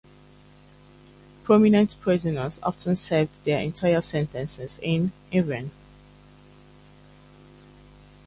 Prominent prisoners often served their entire sentences in Evin.